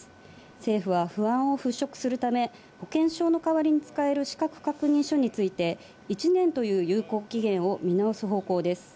政府は不安を払拭するため、保険証の代わりに使える資格確認書について、１年という有効期限を見直す方向です。